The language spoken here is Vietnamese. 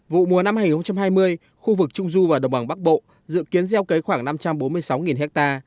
vụ mùa năm hai nghìn hai mươi khu vực trung du và đồng bằng bắc bộ dự kiến gieo cấy khoảng năm trăm bốn mươi sáu ha